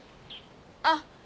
あっ！